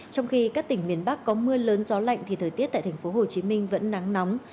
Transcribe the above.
trong khi các tỉnh miền bắc có mưa lớn gió lạnh thì thời tiết tại tp hcm vẫn nắng nóng